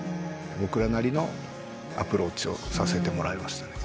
僕らなりのアプローチをさせてもらいましたね。